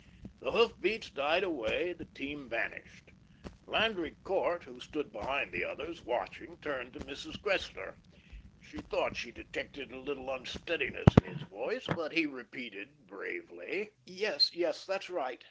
The hoof beats died away, the team vanished. Landry Court, who stood behind the others, watching, turned to Mrs. Cressler. She thought she detected a little unsteadiness in his voice, but he repeated bravely: "Yes, yes, that's right.